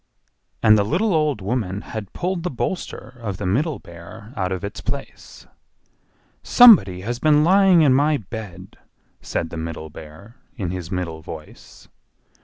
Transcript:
And the little old woman had pulled the bolster of the Middle Bear out of its place. "SOMEBODY HAS BEEN LYING IN MY BED!" said the Middle Bear, in his middle voice.